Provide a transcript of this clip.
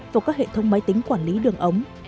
vào các hệ thống máy tính quản lý đường ống